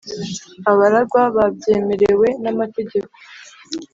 abaragwa babyemerewe n’amategeko,